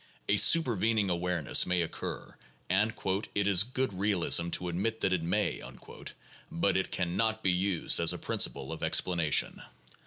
A supervening awareness may occur, and "it is good realism to admit that it may, '' but it can not be used as a principle of explanation.